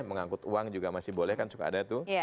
mengangkut uang juga masih boleh kan suka ada tuh